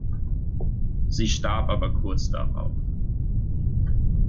Sie starb aber kurz darauf.